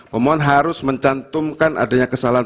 pemohon harus mencantumkan adanya kesalahan